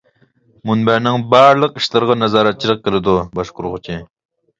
مۇنبەرنىڭ بارلىق ئىشلىرىغا نازارەتچىلىك قىلىدۇ. باشقۇرغۇچى.